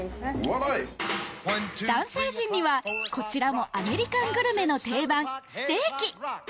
男性陣にはこちらもアメリカングルメの定番ステーキ！